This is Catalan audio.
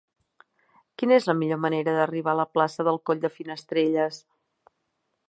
Quina és la millor manera d'arribar a la plaça del Coll de Finestrelles?